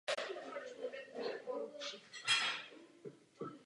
Krize v mlékárenském průmyslu přivedla četné zemědělce na pokraj bankrotu.